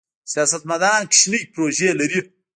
سیاستمداران کوچنۍ پروژې لري.